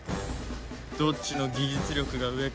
どっちの技術力が上か。